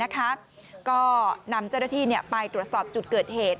ก็นำเจ้าหน้าที่ไปตรวจสอบจุดเกิดเหตุ